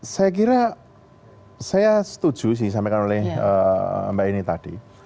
saya kira saya setuju sih sampaikan oleh mbak ini tadi